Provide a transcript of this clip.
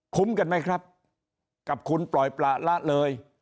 กันไหมครับกับคุณปล่อยประละเลย